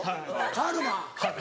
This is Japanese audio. カルマ。